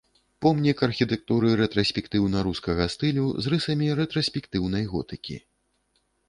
Помнік архітэктуры рэтраспектыўна-рускага стылю з рысамі рэтраспектыўнай готыкі.